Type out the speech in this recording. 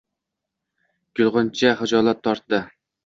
Gulg‘uncha xijolat tortdi